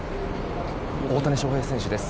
大谷翔平選手です。